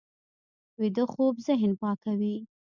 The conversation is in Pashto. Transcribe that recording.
ویده خوب ذهن پاکوي